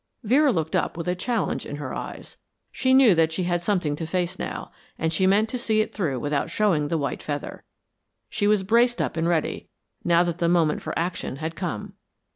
Vera looked up with a challenge in her eyes. She knew that she had something to face now, and she meant to see it through without showing the white feather. She was braced up and ready, now that the moment for action had come.